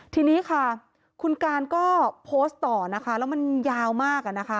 ทีนี้ค่ะคุณการก็โพสต์ต่อนะคะแล้วมันยาวมากนะคะ